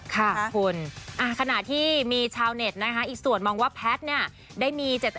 ค่ะคุณขณะที่มีชาวเน็ตนะคะอีกส่วนมองว่าแพทย์เนี่ยได้มี๗๐